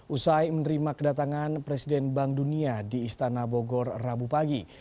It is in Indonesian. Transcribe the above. usai menerima kedatangan presiden bank dunia di istana bogor rabu pagi